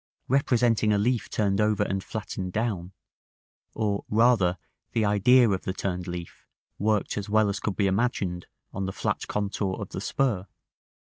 representing a leaf turned over and flattened down; or, rather, the idea of the turned leaf, worked as well as could be imagined on the flat contour of the spur.